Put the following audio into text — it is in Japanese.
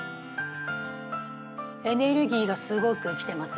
エネルギーがすごく来てます